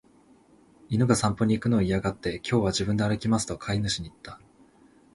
犬が散歩に行くのを嫌がって、「今日は自分で歩きます」と飼い主に言った。